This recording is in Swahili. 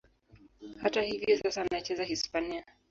Hata hivyo, sasa anacheza Hispania.